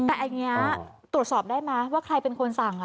แต่อันนี้ตรวจสอบได้ไหมว่าใครเป็นคนสั่ง